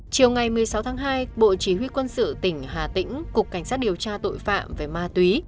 chiều ngày một mươi sáu tháng hai bộ chỉ huy quân sự tỉnh hà tĩnh cục cảnh sát điều tra tội phạm về ma túy